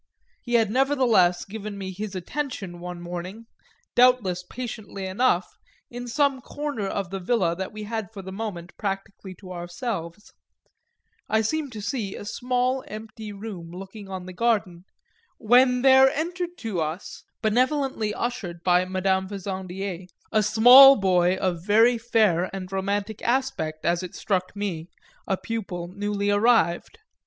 He had nevertheless given me his attention, one morning, doubtless patiently enough, in some corner of the villa that we had for the moment practically to ourselves I seem to see a small empty room looking on the garden; when there entered to us, benevolently ushered by Madame Fezandié, a small boy of very fair and romantic aspect, as it struck me, a pupil newly arrived.